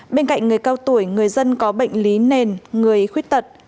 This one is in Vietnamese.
bên cạnh người cao tuổi người dân có bệnh lý nền người khuyết tật